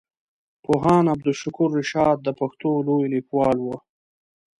پوهاند عبدالشکور رشاد د پښتو لوی ليکوال وو.